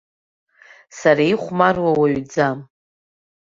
Сара ихәмаруа уаҩӡам.